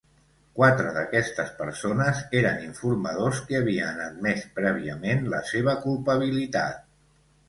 Quatre d'aquestes persones eren informadors que havien admès prèviament la seva culpabilitat.